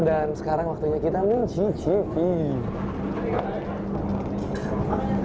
dan sekarang waktunya kita mencicipi